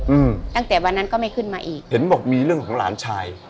อืมตั้งแต่วันนั้นก็ไม่ขึ้นมาอีกเห็นบอกมีเรื่องของหลานชาย